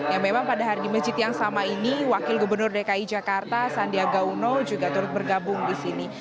yang memang pada hari di masjid yang sama ini wakil gubernur dki jakarta sandiaga uno juga turut bergabung di sini